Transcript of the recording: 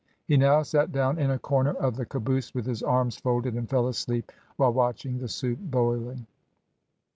He now sat down in a corner of the caboose with his arms folded, and fell asleep while watching the soup boiling.